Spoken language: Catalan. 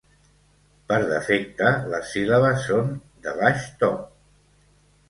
Per defecte, les síl·labes són de baix to.